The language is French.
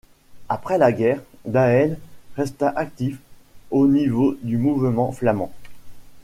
Après la guerre, Daels resta actif au niveau du mouvement flamand.